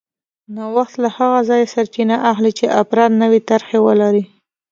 نوښت له هغه ځایه سرچینه اخلي چې افراد نوې طرحې ولري